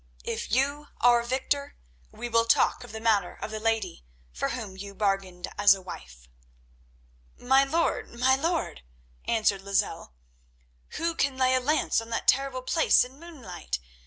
If you are victor, we will talk of the matter of the lady for whom you bargained as a wife." "My lord, my lord," answered Lozelle, "who can lay a lance on that terrible place in moonlight?